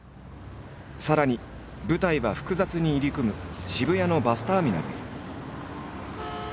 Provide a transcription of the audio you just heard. さらに舞台は複雑に入り組む渋谷のバスターミナルへ。